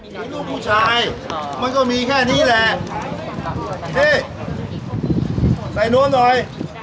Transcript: มีลูกผู้ชายมันก็มีแค่นี้แหละนี่ใส่โน้นหน่อย